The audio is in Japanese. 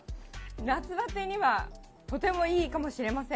夏バテにはとてもいいかもしれません。